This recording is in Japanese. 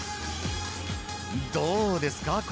どうですか？